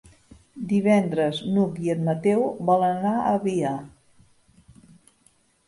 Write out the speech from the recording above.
Divendres n'Hug i en Mateu volen anar a Avià.